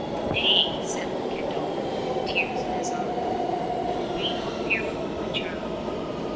"Nay," said Cadoc with tears in his eyes, "be not fearful, my child.